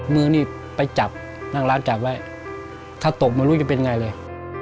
มือนี่ไปจับนั่งร้านจับไว้ถ้าตกไม่รู้จะเป็นไงเลย